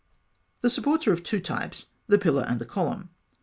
] The supports are of two types, the pillar and the column.